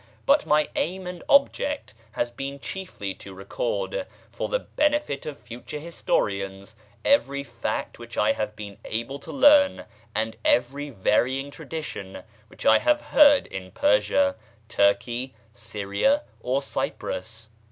But my aim and object has been chiefly to record, for the benefit of future historians, every fact which I have been able to learn, and every varying tradition which I have heard in Persia, Turkey, Syria, or Cyprus.